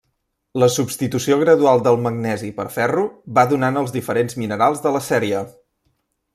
La substitució gradual del magnesi per ferro va donant els diferents minerals de la sèrie.